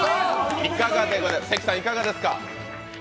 関さん、いかがですか。